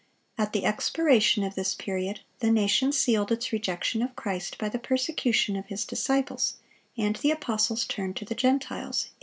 At the expiration of this period, the nation sealed its rejection of Christ by the persecution of His disciples, and the apostles turned to the Gentiles, A.